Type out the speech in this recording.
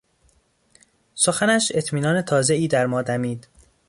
سخنش اطمینان تازهای در ما دمید.